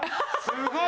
すごい！